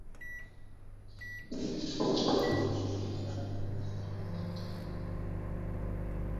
Admiral Zahir Shabnam আহমেদকে বিয়ে করেন।